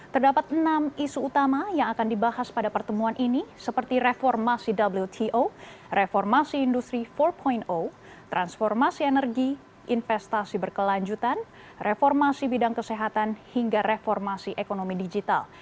terdapat enam isu utama yang akan dibahas pada pertemuan ini seperti reformasi wto reformasi industri empat transformasi energi investasi berkelanjutan reformasi bidang kesehatan hingga reformasi ekonomi digital